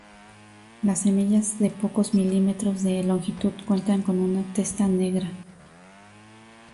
Las semillas de pocos milímetros de longitud cuentan con una testa negra.